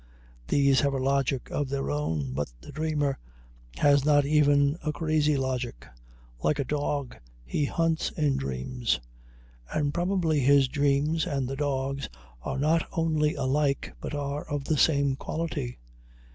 These have a logic of their own; but the dreamer has not even a crazy logic. "Like a dog, he hunts in dreams," and probably his dreams and the dog's are not only alike, but are of the same quality.